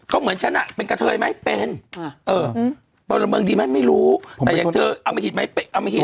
ก็เหมือนฉันน่ะเป็นกระเทยไหมเป็นเออพวกเราเมืองดีไหมไม่รู้แต่อย่างเธอเอามาหิดไหมเอามาหิด